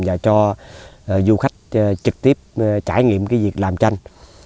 và cho du khách trực tiếp trải nghiệm cái việc làm tranh